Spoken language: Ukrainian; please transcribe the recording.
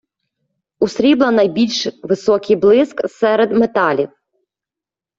У срібла найбільш високий блиск серед металів